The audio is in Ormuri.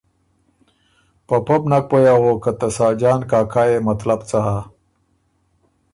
په پۀ بو نک پوی اغوک که ته ساجان کاکا يې مطلب څۀ هۀ۔